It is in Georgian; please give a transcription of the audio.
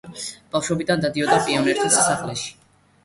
ბავშვობიდან დადიოდა პიონერთა სასახლეში.